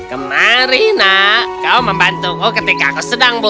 kemarilah kau membantuku ketika aku sedang butuh